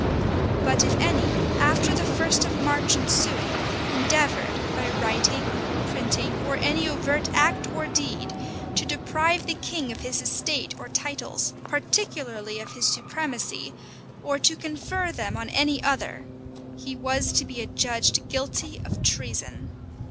But if any, after the first of March ensuing, endeavored, by writing, printing, or any overt act or deed, to deprive the king of his estate or titles, particularly of his supremacy, or to confer them on any other, he was to be adjudged guilty of treason.